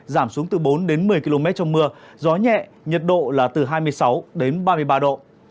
giảm xuống từ bốn đến một mươi km trong mưa gió nhẹ nhiệt độ là từ hai mươi sáu đến ba mươi ba độ